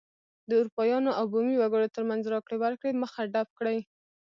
د اروپایانو او بومي وګړو ترمنځ راکړې ورکړې مخه ډپ کړي.